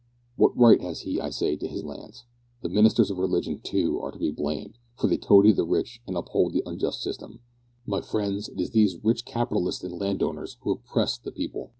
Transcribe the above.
"What right has he, I say, to his lands? The ministers of religion, too, are to be blamed, for they toady the rich and uphold the unjust system. My friends, it is these rich capitalists and landowners who oppress the people.